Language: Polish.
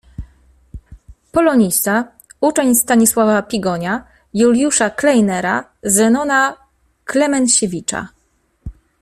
Polonista, uczeń Stanisława Pigonia, Juliusza Kleinera, Zenona Klemensiewicza.